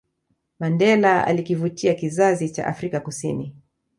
Mandela alikivutia kizazi cha Afrika Kusini